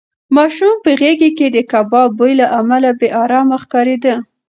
ماشوم په غېږ کې د کباب بوی له امله بې ارامه ښکارېده.